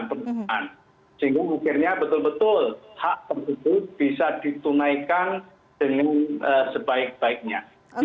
sehingga akhirnya betul betul hak tersebut bisa ditunaikan dengan sebaik baiknya